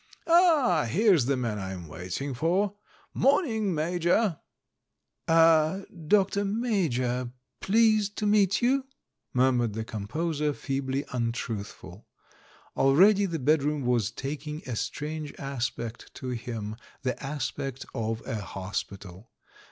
— Ah, here's the man I'm wait ing for! '^lorning, Major." "Er, Dr. 3Iajor, pleased to meet you," mur mured the composer, feebly untruthful. Already the bedroom was taking a strange aspect to him, the aspect of a hospital.